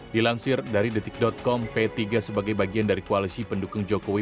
dilansir dari detik com p tiga sebagai bagian dari koalisi pendukung jokowi